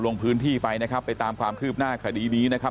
ลงพื้นที่ไปนะครับไปตามความคืบหน้าคดีนี้นะครับ